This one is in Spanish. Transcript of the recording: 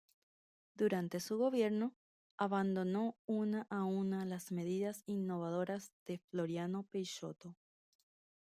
Durante su gobierno, abandonó una a una las medidas innovadoras de Floriano Peixoto.